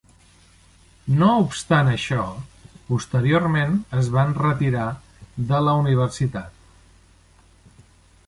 No obstant això, posteriorment es van retirar de la universitat.